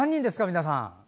皆さん。